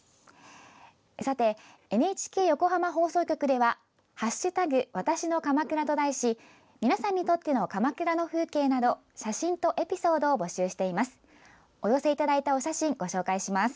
さて、ＮＨＫ横浜放送局では「＃わたしの鎌倉」と題し皆さんにとっての鎌倉の風景など写真とエピソードを募集しています。